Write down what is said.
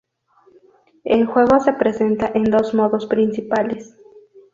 El juego se presenta en dos modos principales.